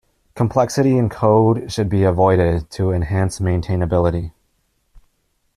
Complexity in code should be avoided to enhance maintainability.